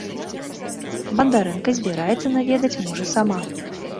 Бандарэнка збіраецца наведаць мужа сама.